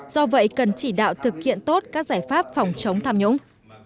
do vậy cần chỉ đạo thực hiện tốt các giải pháp phòng chống tham nhũng